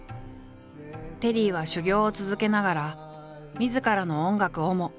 テリーは修業を続けながらみずからの音楽をも練り上げた。